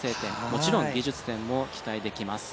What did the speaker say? もちろん技術点も期待できます。